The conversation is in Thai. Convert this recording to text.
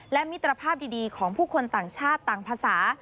และมิตรภาพดีของผู้คนต่างชาติต่างภาษา